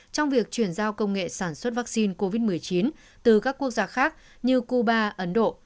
trong việc chuyển giao công nghệ sản xuất vaccine covid một mươi chín từ các quốc gia khác như cuba ấn độ